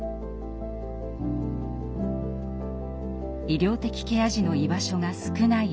医療的ケア児の居場所が少ない理由。